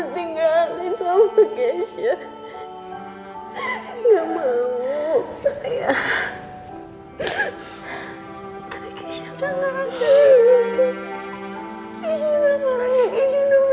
langsung saja masukélé oku